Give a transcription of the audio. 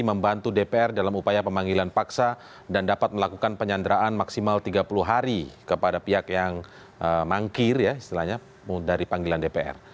membantu dpr dalam upaya pemanggilan paksa dan dapat melakukan penyanderaan maksimal tiga puluh hari kepada pihak yang mangkir ya istilahnya dari panggilan dpr